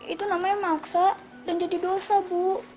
itu namanya maksa dan jadi dosa bu